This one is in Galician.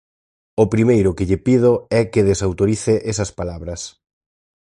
O primeiro que lle pido é que desautorice esas palabras.